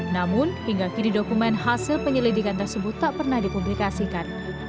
namun hingga kini dokumen hasil penyelidikan tersebut tak pernah dipublikasikan